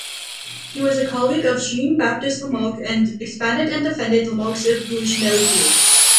He was a colleague of Jean-Baptiste Lamarck and expanded and defended Lamarck's evolutionary theories.